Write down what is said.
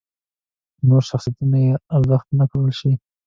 نور شخصیتونه بې ارزښته نکړای شي.